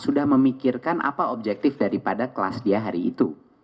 sudah memikirkan apa objektif daripada kelas dia hari itu